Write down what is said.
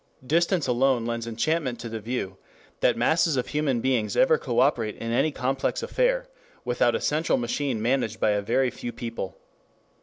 4 Distance alone lends enchantment to the view that masses of human beings ever coöperate in any complex affair without a central machine managed by a very few people.